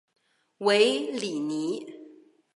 韦里尼。